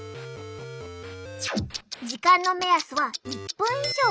時間の目安は１分以上。